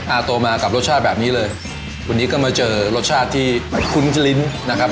โตมากับรสชาติแบบนี้เลยวันนี้ก็มาเจอรสชาติที่คุ้นลิ้นนะครับ